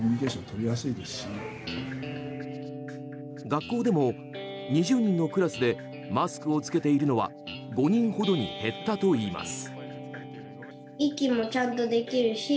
学校でも２０人のクラスでマスクを着けているのは５人ほどに減ったといいます。